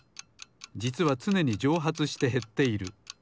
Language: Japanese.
じつはつねにじょうはつしてへっている。